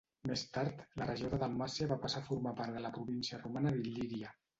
Més tard, la regió de Dalmàcia va passar a formar part de la província romana d'Il·líria.